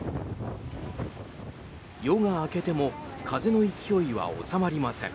夜が明けても風の勢いは収まりません。